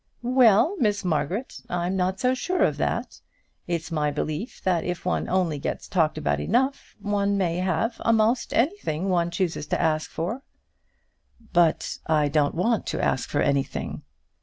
"Well, Miss Margaret, I'm not so sure of that. It's my belief that if one only gets talked about enough, one may have a'most anything one chooses to ask for." "But I don't want to ask for anything."